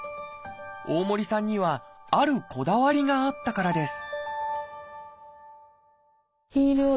大森さんにはあるこだわりがあったからです